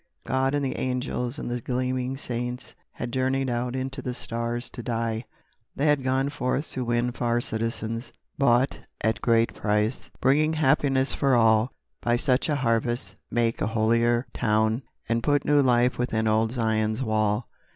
God and the angels, and the gleaming saints Had journeyed out into the stars to die. They had gone forth to win far citizens, Bought at great price, bring happiness for all: By such a harvest make a holier town And put new life within old Zion's wall.